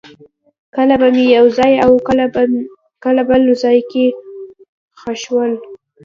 کله به مې یو ځای او کله بل ځای کې خښول.